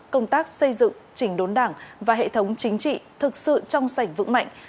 công tác xây dựng chỉnh đốn đảng và hệ thống chính trị thực sự trong sảnh vững mạnh